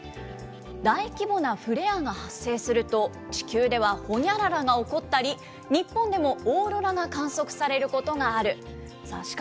大規模なフレアが発生すると、地球ではほにゃららが起こったり、日本でもオーロラが観測されることがある。